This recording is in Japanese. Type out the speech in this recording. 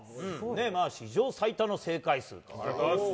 史上最多の正解数と。